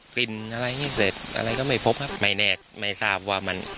กลิ่นอะไรให้เสร็จอะไรก็ไม่พบครับไม่แน่ไม่ทราบว่ามัน